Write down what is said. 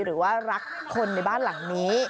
หรือว่ารักคนในบ้านหลังนี้